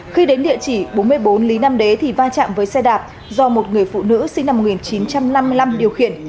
khi đến địa chỉ bốn mươi bốn lý nam đế thì va chạm với xe đạp do một người phụ nữ sinh năm một nghìn chín trăm năm mươi năm điều khiển